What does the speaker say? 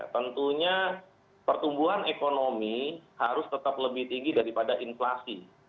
tentunya pertumbuhan ekonomi harus tetap lebih tinggi daripada inflasi